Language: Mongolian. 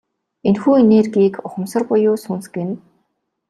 Энэхүү энергийг ухамсар буюу сүнс гэнэ.